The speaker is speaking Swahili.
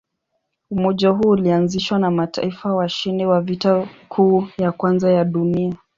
Umoja huo ulianzishwa na mataifa washindi wa Vita Kuu ya Kwanza ya Dunia.